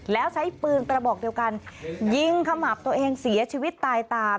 แล้วใช้ปืนกระบอกเดียวกันยิงขมับตัวเองเสียชีวิตตายตาม